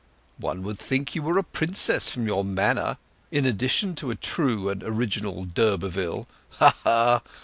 "One would think you were a princess from your manner, in addition to a true and original d'Urberville—ha! ha!